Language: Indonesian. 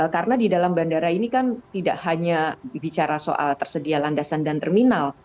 karena di dalam bandara ini kan tidak hanya bicara soal tersedia landasan dan terminal